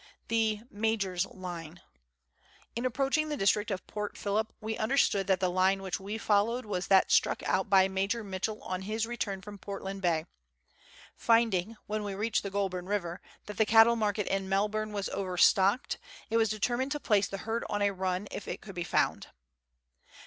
The "Major's Line." In approaching the district of Port Phillip we understood that the line which we followed was that struck out by Major Mitchell on his return from Portland Bay. Finding, when we reached the Goulburn Eiver, that the cattle market in Melbourne was overstocked, it was determined to place the herd on a run if it could be found.